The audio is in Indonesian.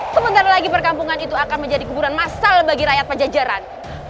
sebentar lagi perkampungan itu akan menjadi kuburan masal bagi rakyat pajajaran